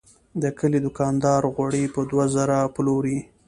د کلي دوکاندار غوړي په دوه زره پلوري.